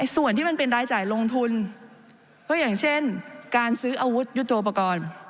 ส่วนที่มันเป็นรายจ่ายลงทุนก็อย่างเช่นการซื้ออาวุธยุทธโปรกรณ์